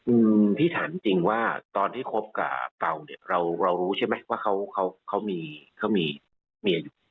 อืมพี่ถามจริงว่าตอนที่คบกับเต่าเนี่ยเราเรารู้ใช่ไหมว่าเขาเขามีเขามีลูกเมียอยู่